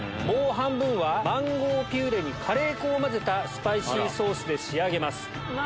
もう半分はマンゴーピューレにカレー粉を混ぜたスパイシーソースで仕上げます。